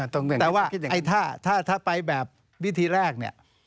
แต่ว่าถ้าไปแบบวิธีแรกเนี่ย